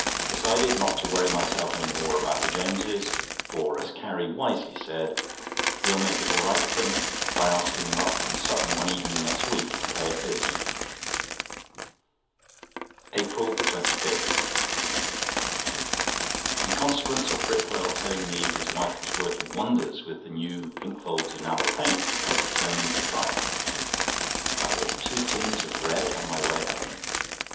Decided not to worry myself any more about the James's; for, as Carrie wisely said, "We'll make it all right with them by asking them up from Sutton one evening next week to play at Bézique." APRIL 25.—In consequence of Brickwell telling me his wife was working wonders with the new Pinkford's enamel paint, I determined to try it. I bought two tins of red on my way home.